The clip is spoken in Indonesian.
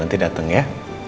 nanti dateng ya